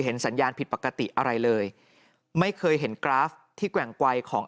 สัญญาณผิดปกติอะไรเลยไม่เคยเห็นกราฟที่แกว่งไกลของ